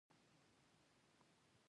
ژبه د فکر بیانولو آزادي ده